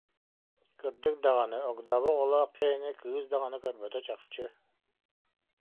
«Кырдьык даҕаны, огдообо оҕолоох киһини кыыс даҕаны көрбөтө чахчы